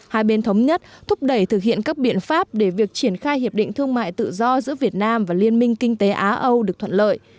hai bên thống nhất thúc đẩy thực hiện các biện pháp để việc triển khai hiệp định thương mại tự do giữa việt nam và liên minh kinh tế á âu được thuận lợi